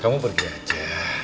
kamu pergi aja